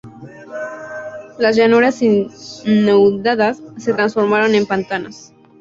Las llanuras inundadas se transformaron en pantanos.